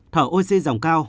thở oxy dòng cao